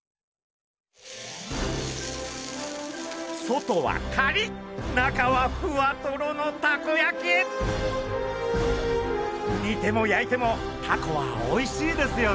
外はカリッ中はふわトロのたこ焼き！にても焼いてもタコはおいしいですよね？